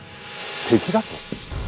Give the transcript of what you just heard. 敵だと？